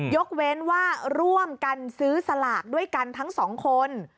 ยกเว้นว่าร่วมกันซื้อสลากด้วยกันทั้งสองคน